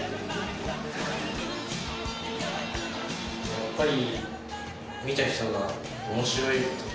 やっぱり。